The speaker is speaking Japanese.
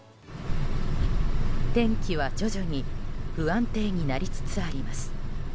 天気は徐々に不安定になりつつあります。